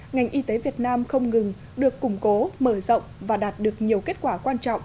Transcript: ngành y tế việt nam không ngừng được củng cố mở rộng và đạt được nhiều kết quả quan trọng